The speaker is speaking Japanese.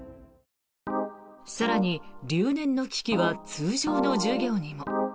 更に、留年の危機は通常の授業にも。